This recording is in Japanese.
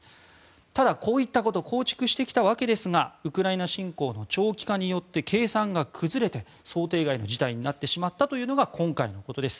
ただ、こういったことを構築してきたわけですがウクライナ侵攻の長期化によって計算が崩れて想定外の事態になってしまったというのが今回のことです。